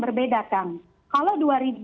berbeda kan kalau dua ribu empat belas